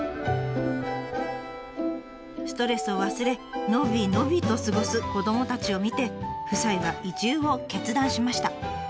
ストレスを忘れ伸び伸びと過ごす子どもたちを見て夫妻は移住を決断しました。